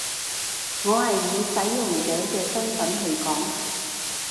我係以使用者嘅身分去講